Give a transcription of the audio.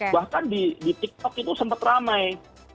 bahkan di tiktok itu sempat ramai